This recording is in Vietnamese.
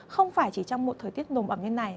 không phải chỉ trong một thời tiết nồm ẩm như thế này